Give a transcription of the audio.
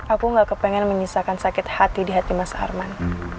aku gak kepengen menyisakan sakit hati di hati mas arman